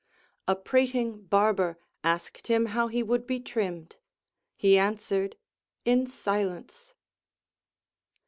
A prating barber asked him how he would be trimmed. He answered. In silence.